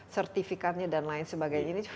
sertifikannya dan lain sebagainya ini